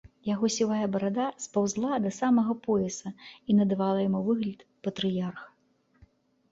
Яго сівая барада спаўзала да самага пояса і надавала яму выгляд патрыярха.